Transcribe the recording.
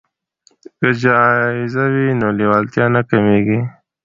که جایزه وي نو لیوالتیا نه کمیږي.